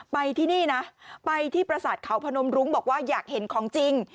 ไปที่นี่นะไปที่ประสาทเขาพนมรุ้งบอกว่าอยากเห็นของจริง